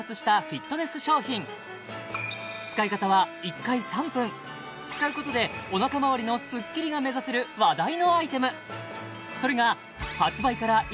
使い方は１回３分使うことでおなかまわりのスッキリが目指せる話題のアイテム